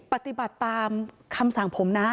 ปฏิบัติตามคำสักครู่